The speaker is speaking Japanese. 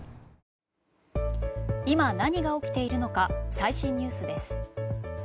今何が起きているのか最新ニュースです。